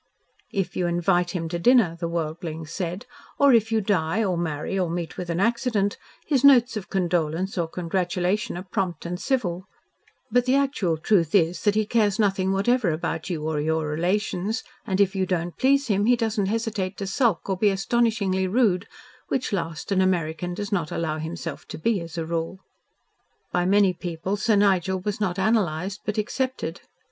"If you invite him to dinner," the wording said, "or if you die, or marry, or meet with an accident, his notes of condolence or congratulation are prompt and civil, but the actual truth is that he cares nothing whatever about you or your relations, and if you don't please him he does not hesitate to sulk or be astonishingly rude, which last an American does not allow himself to be, as a rule." By many people Sir Nigel was not analysed, but accepted.